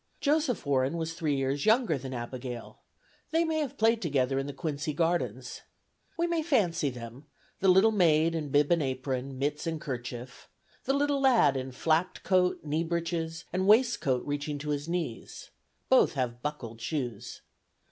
Joseph Warren was three years younger than Abigail; they may have played together in the Quincy gardens. We may fancy them, the little maid in bib and apron, mitts and kerchief; the little lad in flapped coat, knee breeches, and waist coat reaching to his knees; both have buckled shoes.